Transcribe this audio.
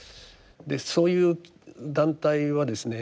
そういう団体はですね